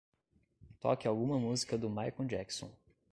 Toque alguma música do Michael Jackson.